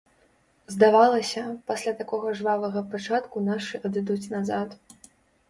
Здавалася, пасля такога жвавага пачатку нашы адыдуць назад.